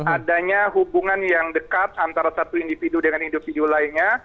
adanya hubungan yang dekat antara satu individu dengan individu lainnya